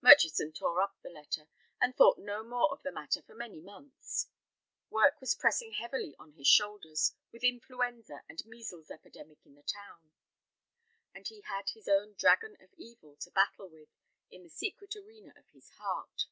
Murchison tore up the letter, and thought no more of the matter for many months. Work was pressing heavily on his shoulders with influenza and measles epidemic in the town, and he had his own "dragon of evil" to battle with in the secret arena of his heart.